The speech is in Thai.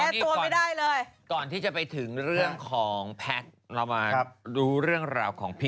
แก้ตัวไม่ได้เลยก่อนที่จะไปถึงเรื่องของเรามาครับดูเรื่องราวของ